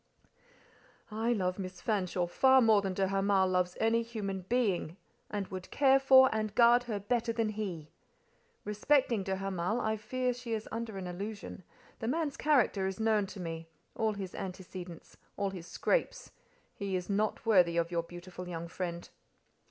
"I love Miss Fanshawe far more than de Hamal loves any human being, and would care for and guard her better than he. Respecting de Hamal, I fear she is under an illusion; the man's character is known to me, all his antecedents, all his scrapes. He is not worthy of your beautiful young friend."